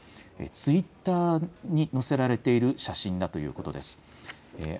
ツイッターに載せられている写真だということです。